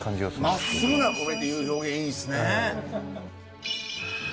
真っ直ぐな米っていう表現いいですね。